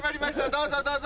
どうぞどうぞ！